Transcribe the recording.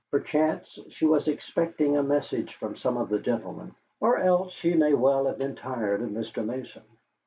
Perchance she was expecting a message from some of the gentlemen; or else she may well have been tired of Mr. Mason.